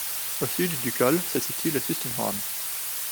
Au sud du col, se situe le Sustenhorn.